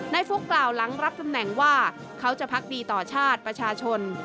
ฟุ๊กกล่าวหลังรับตำแหน่งว่าเขาจะพักดีต่อชาติประชาชน